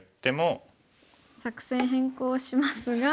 作戦変更しますが。